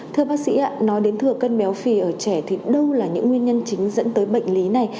thưa bác sĩ nói đến thừa cân béo phì ở trẻ thì đâu là những nguyên nhân chính dẫn tới bệnh lý này